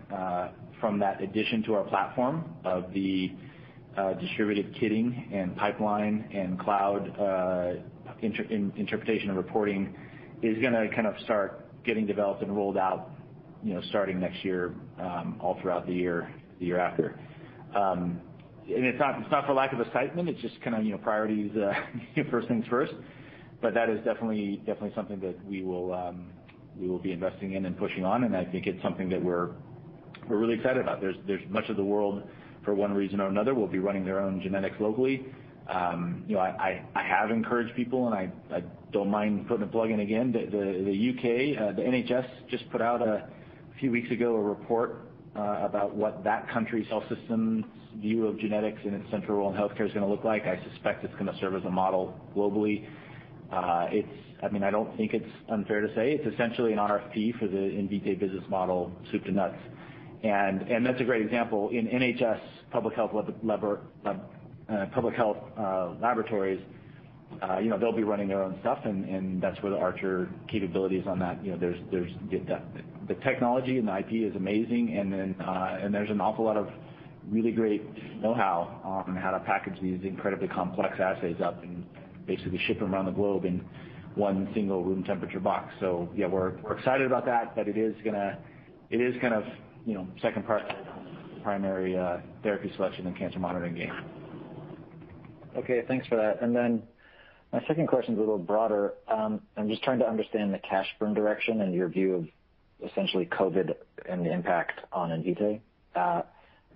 from that addition to our platform of the distributed kitting and pipeline and cloud interpretation and reporting, is going to start getting developed and rolled out starting next year, all throughout the year, the year after. It's not for lack of excitement, it's just priorities first things first. That is definitely something that we will be investing in and pushing on, and I think it's something that we're really excited about. Much of the world, for one reason or another, will be running their own genetics locally. I have encouraged people, and I don't mind putting a plug in again, the U.K., the NHS, just put out a few weeks ago, a report about what that country's health system's view of genetics and its central role in healthcare is going to look like. I suspect it's going to serve as a model globally. I don't think it's unfair to say it's essentially an RFP for the Invitae business model, soup to nuts. That's a great example. In NHS public health laboratories, they'll be running their own stuff and that's where the Archer capabilities on that, the technology and the IP is amazing, and there's an awful lot of really great knowhow on how to package these incredibly complex assays up and basically ship them around the globe in one single room temperature box. Yeah, we're excited about that. It is second priority, primary therapy selection and cancer monitoring game. Okay, thanks for that. My second question is a little broader. I'm just trying to understand the cash burn direction and your view of essentially COVID and the impact on Invitae.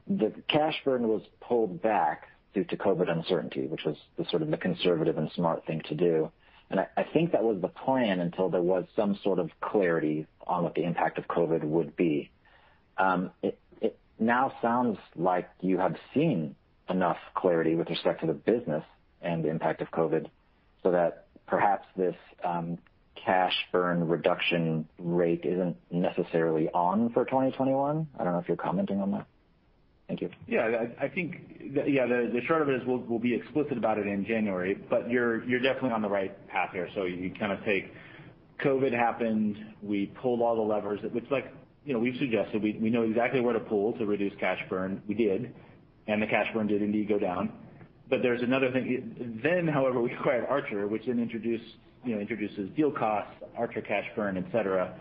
The cash burn was pulled back due to COVID uncertainty, which was the conservative and smart thing to do, and I think that was the plan until there was some sort of clarity on what the impact of COVID would be. It now sounds like you have seen enough clarity with respect to the business and the impact of COVID so that perhaps this cash burn reduction rate isn't necessarily on for 2021. I don't know if you're commenting on that. Thank you. The short of it is, we'll be explicit about it in January. You're definitely on the right path here. You take COVID happened, we pulled all the levers, which, like we've suggested, we know exactly where to pull to reduce cash burn. We did. The cash burn did indeed go down. There's another thing then however, we acquired Archer, which then introduces deal costs, Archer cash burn, et cetera.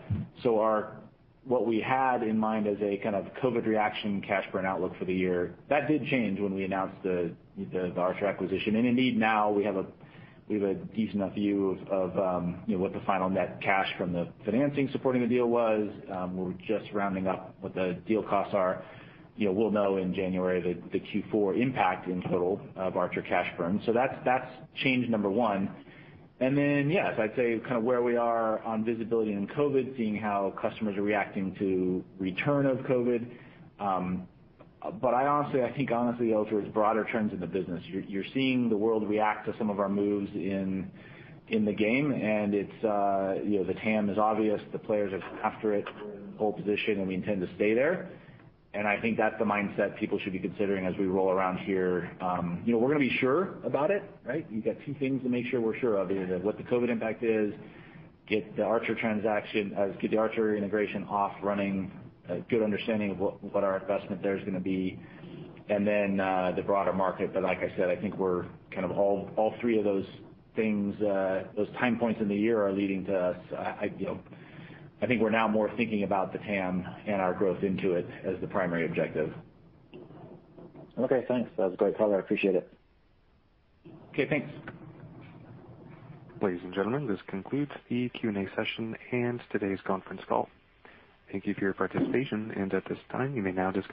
What we had in mind as a kind of COVID reaction cash burn outlook for the year, that did change when we announced the Archer acquisition. Indeed, now we have a decent view of what the final net cash from the financing supporting the deal was. We're just rounding up what the deal costs are. We'll know in January the Q4 impact in total of Archer cash burn. That's change number one. Yes, I'd say where we are on visibility in COVID, seeing how customers are reacting to return of COVID. I think, honestly, Ophir, it's broader trends in the business. You're seeing the world react to some of our moves in the game, and the TAM is obvious. The players are after it. We're in pole position, and we intend to stay there, and I think that's the mindset people should be considering as we roll around here. We're going to be sure about it, right? You've got two things to make sure we're sure of, what the COVID impact is, get the Archer integration off running, a good understanding of what our investment there is going to be, and then the broader market. Like I said, I think all three of those things, those time points in the year are leading to I think we're now more thinking about the TAM and our growth into it as the primary objective. Okay, thanks. That was great color. I appreciate it. Okay, thanks. Ladies and gentlemen, this concludes the Q&A session and today's conference call. Thank you for your participation, and at this time, you may now disconnect.